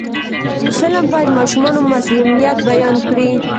فلم باید د ماشومانو مظلومیت بیان کړي